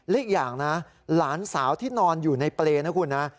อีกอย่างนะหลานสาวที่นอนอยู่ในเปรย์นะคุณนะ